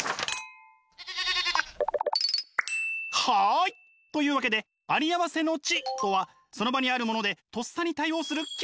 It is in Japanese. はい！というわけでありあわせの知とはその場にあるものでとっさに対応する。